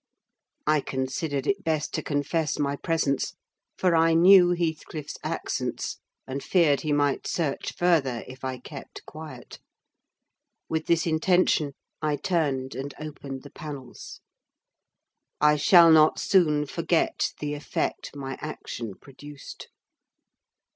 I considered it best to confess my presence; for I knew Heathcliff's accents, and feared he might search further, if I kept quiet. With this intention, I turned and opened the panels. I shall not soon forget the effect my action produced.